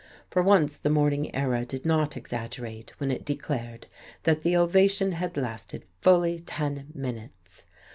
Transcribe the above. For once the Morning Era did not exaggerate when it declared that the ovation had lasted fully ten minutes.